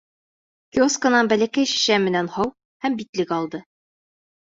Киоскынан бәләкәй шешә менән һыу һәм битлек алды.